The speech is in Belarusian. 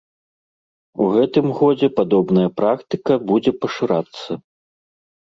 У гэтым годзе падобная практыка будзе пашырацца.